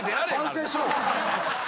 反省しろ。